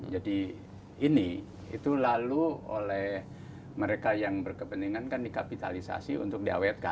jadi ini itu lalu oleh mereka yang berkepentingan kan dikapitalisasi untuk diawera